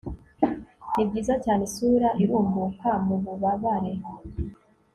Nibyiza cyane isura irumbuka mububabare